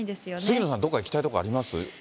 杉野さん、どこか行きたい所あります？